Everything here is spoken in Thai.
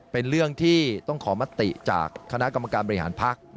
เป็นเรื่องที่ต้องขอมติจากคณะกรรมการบริหารภักดิ์